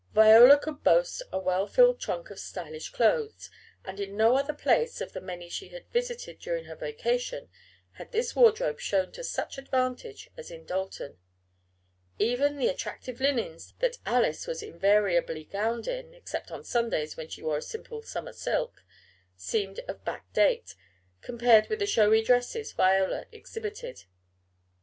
Viola could boast of a well filled trunk of stylish clothes, and in no other place, of the many she had visited during her vacation, had this wardrobe shown to such advantage as in Dalton. Even the attractive linens that Alice was invariably gowned in (except on Sundays, when she wore a simple summer silk), seemed of "back date" compared with the showy dresses Viola exhibited.